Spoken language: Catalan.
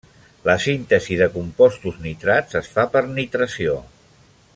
La síntesi de compostos nitrats es fa per nitració.